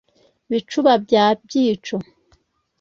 bicuba bya byico